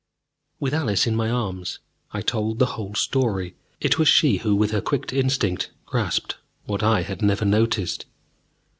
With Alice in my arms, I told the whole story. It was she who, with her quick instinct, grasped what I had never noticed.